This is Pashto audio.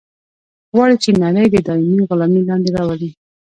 غواړي چې نړۍ د دایمي غلامي لاندې راولي.